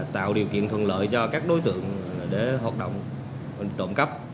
tạo điều kiện thuận lợi cho các đối tượng để hoạt động trộm cắp